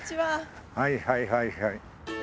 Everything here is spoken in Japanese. はいはいはいはい。